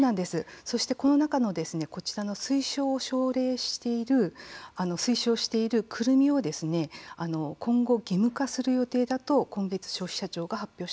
そして、この中のこちらの推奨している「くるみ」を今後、義務化する予定だと今月、消費者庁が発表したんです。